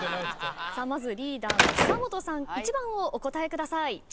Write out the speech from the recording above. まずリーダーの久本さん１番をお答えください。